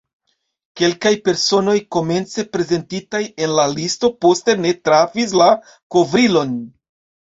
Kelkaj personoj, komence prezentitaj en la listo, poste ne trafis la kovrilon.